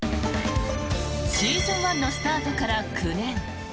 シーズン１のスタートから９年。